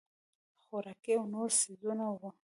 خوراکي او نور څیزونه وو.